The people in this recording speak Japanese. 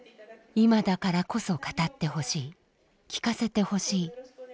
「今だからこそ語ってほしいきかせてほしい」。